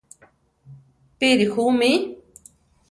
Píri ju mí?